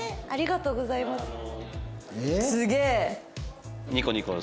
ありがとうございます。